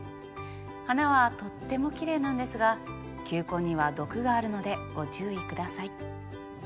花はとってもきれいなんですが球根には毒があるのでご注意ください。